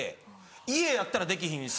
家やったらできひんし。